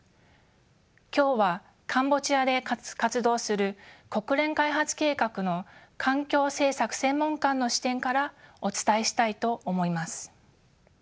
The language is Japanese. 今日はカンボジアで活動する国連開発計画の環境政策専門官の視点からお伝えしたいと思います。